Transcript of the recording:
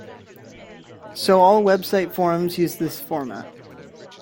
So all website forums will use this format.